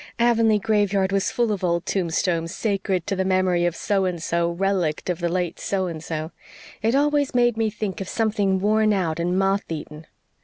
"Avonlea graveyard was full of old tombstones 'sacred to the memory of So and So, RELICT of the late So and So.' It always made me think of something worn out and moth eaten.